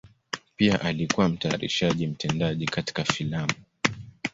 Pia alikuwa mtayarishaji mtendaji katika filamu.